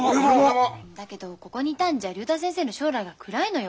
だけどここにいたんじゃ竜太先生の将来が暗いのよ。